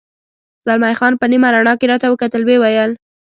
زلمی خان په نیمه رڼا کې راته وکتل، ویې ویل.